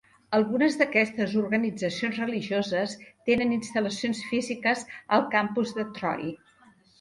Algunes d'aquestes organitzacions religioses tenen instal·lacions físiques al campus de Troy.